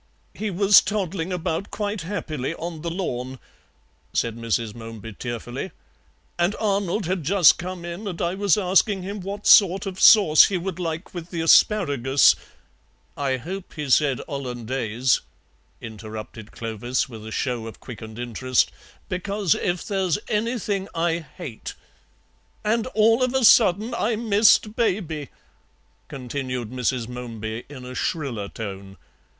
"He was toddling about quite happily on the lawn," said Mrs. Momeby tearfully, "and Arnold had just come in, and I was asking him what sort of sauce he would like with the asparagus " "I hope he said hollandaise," interrupted Clovis, with a show of quickened interest, "because if there's anything I hate " "And all of a sudden I missed Baby," continued Mrs. Momeby in a shriller tone.